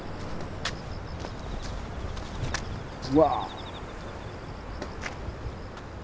うわ。